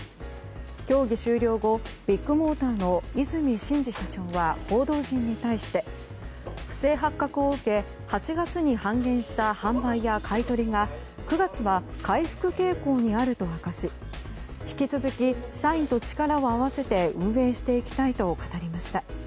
協議終了後、ビッグモーターの和泉伸二社長は報道陣に対して不正発覚を受け８月に半減した販売や買い取りが９月は回復傾向にあると明かし引き続き、社員と力を合わせて運営していきたいと語りました。